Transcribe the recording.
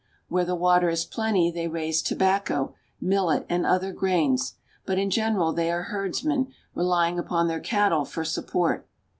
Where the water is plenty, they raise tobacco, millet, and other grains ; but in general they are herdsmen, relying upon their cattle for support.